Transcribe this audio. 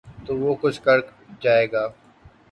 تو وہ کوچ کر جائے گا۔